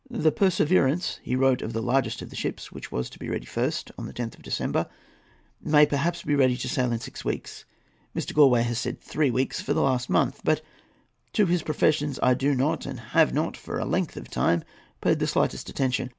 "The Perseverance," he wrote of the largest of the ships, which was to be ready first, on the 10th of December, "may perhaps be ready to sail in six weeks—Mr. Galloway has said three weeks for the last month; but to his professions I do not, and have not for a length of time, paid the slightest attention.